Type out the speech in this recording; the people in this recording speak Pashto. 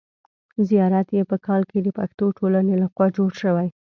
زیارت یې په کال کې د پښتو ټولنې له خوا جوړ شوی.